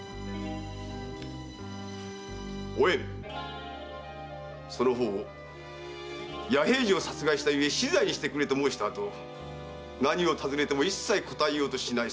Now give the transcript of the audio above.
おえん弥平次を殺害した故死罪にしてくれと申したあと何を尋ねても一切答えようとしないそうだが？